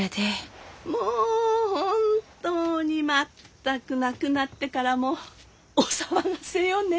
もう本当に全く亡くなってからもお騒がせよね！